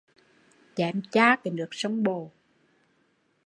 Chém cha cái nước sông Bồ